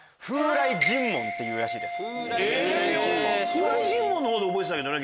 風雷神門の方で覚えてたけどね